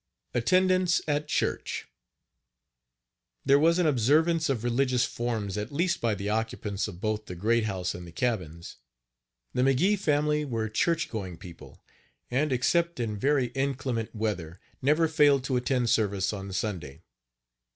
ATTENDANCE AT CHURCH. There was an observance of religious forms at least by the occupants of both the great house and the cabins. The McGee family were church going people, and, except in very inclement weather, never failed to attend service on Sunday.